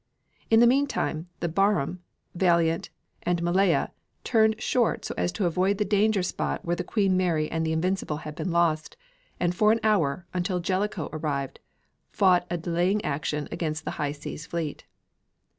In the meantime the Barham, Valiant and Malaya turned short so as to avoid the danger spot where the Queen Mary and the Invincible had been lost, and for an hour, until Jellicoe arrived, fought a delaying action against the High Seas Fleet.